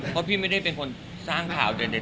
เพราะพี่ไม่ได้เป็นคนสร้างข่าวเด่นตั้งสิ้นเลย